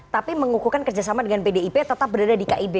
tapi mengukuhkan kerjasama dengan pdip tetap berada di kib